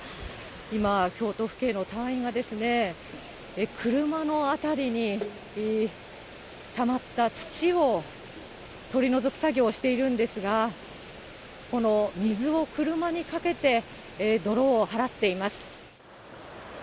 今、京都府警の隊員が、車の辺りにたまった土を取り除く作業をしているんですが、この水を車にかけて、泥を払っています。